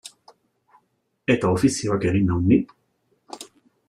Eta ofizioak egin nau ni.